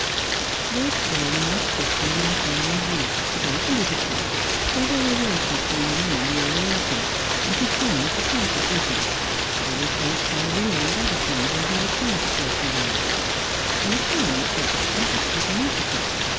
Lord Paulyn left Scotland in the following week, to go to Liverpool, where there were races being run in the early autumn, and his friends departed with him, to be replaced by a relay of other friends when he returned to Slogh na Dyack — a return 300 Strangers and I'ilgrims. which was at present problematical.